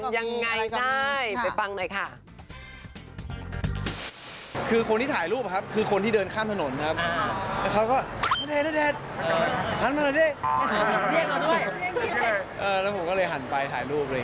จะเป็นยังไงได้ไปฟังหน่อยค่ะ